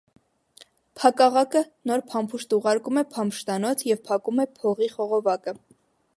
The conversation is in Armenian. Փակաղակը նոր փամփուշտը ուղարկում է փամփշտանոց և փակում է փողի խողովակը։